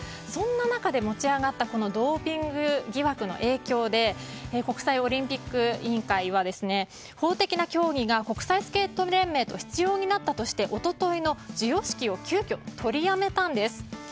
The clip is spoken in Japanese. そんな中で持ち上がったドーピング疑惑の影響で国際オリンピック委員会は法的な協議が国際スケート連盟と必要になったとして一昨日の授与式を急きょ取りやめたんです。